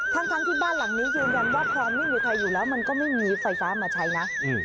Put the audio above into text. ทั้งที่บ้านหลังนี้ยืนยันว่าคลองไม่มีใครอยู่แล้วมันก็ไม่มีไฟฟ้ามาใช้นะ